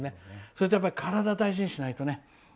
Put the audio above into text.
それと体は大事にしないとね。